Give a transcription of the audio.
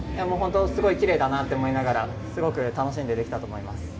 もう本当、すごいきれいだなって思いながら、すごく楽しんでできたと思います。